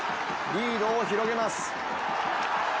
リードを広げます。